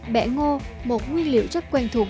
bẹ ngô một nguyên liệu rất quen thuộc